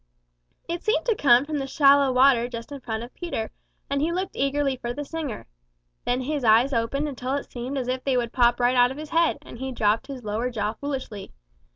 It seemed to come from the shallow water just in front of Peter, and he looked eagerly for the singer. Then his eyes opened until it seemed as if they would pop right out of his head, and he dropped his lower jaw foolishly.